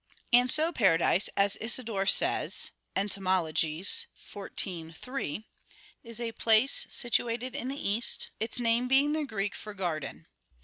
And so paradise, as Isidore says (Etym. xiv, 3), "is a place situated in the east, its name being the Greek for garden."